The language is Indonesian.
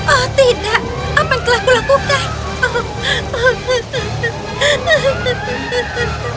oh tidak apa yang telah kulakukan